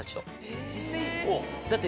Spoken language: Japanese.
だって。